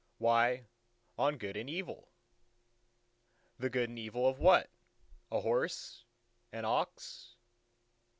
"Why, on good and evil." "The good and evil of what? a horse, an ox?"